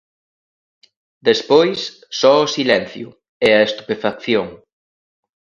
Despois, só o silencio, e a estupefacción.